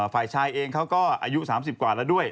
ฝ่ายชายเองเขาก็อายุ๓๐กว่าแล้วด้วย